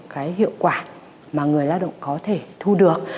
cái hiệu quả mà người lao động có thể thu được